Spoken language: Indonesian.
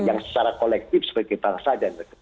yang secara kolektif sebagai bangsa dan negara